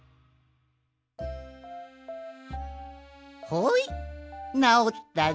ほいなおったぞい。